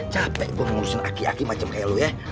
capek gue ngurusin aki aki macam kayak lu ya